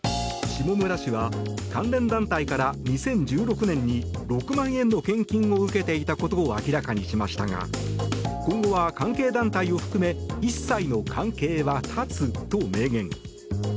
下村氏は、関連団体から２０１６年に６万円の献金を受けていたことを明らかにしましたが今後は関係団体を含め一切の関係は断つと明言。